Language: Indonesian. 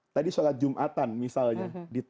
tadi sholat jumatan misalnya